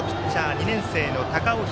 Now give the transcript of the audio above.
２年生の高尾響。